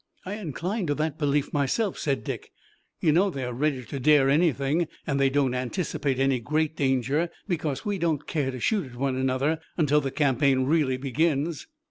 "I incline to that belief myself," said Dick. "You know they're ready to dare anything, and they don't anticipate any great danger, because we don't care to shoot at one another, until the campaign really begins."